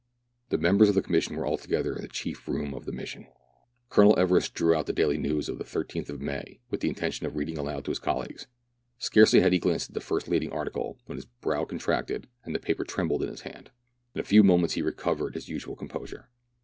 The members of the Commission were altogether in the chief room of the mission. Colonel Everest drew out the Daih News for the 13th of May, with the intention of reading aloud to his colleagues. Scarcely had he glanced at the first leading article, when his brow contracted, and K a 132 meridiana; the adventures of the paper trembled in his hand. In a few moments he recovered his usual composure.